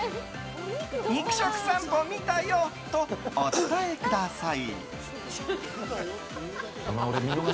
肉食さんぽ見たよとお伝えください。